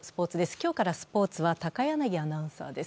今日からスポーツは高柳アナウンサーです。